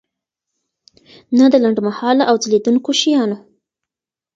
نه د لنډمهاله او ځلیدونکي شیانو.